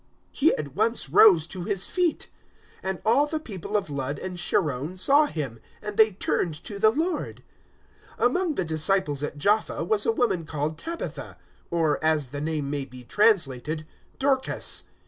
He at once rose to his feet. 009:035 And all the people of Lud and Sharon saw him; and they turned to the Lord. 009:036 Among the disciples at Jaffa was a woman called Tabitha, or, as the name may be translated, `Dorcas.'